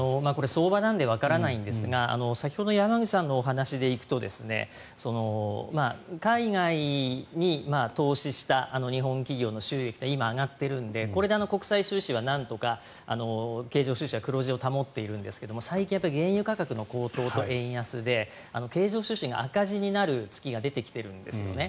相場なのでわからないんですが先ほどの山口さんのお話で行くと海外に投資した日本企業の収益というのは今、上がっているのでこれで国際収支はなんとか経常収支は黒字を保っているんですが最近、原油価格の高騰と円安で経常収支が赤字になる月が出てきているんですね。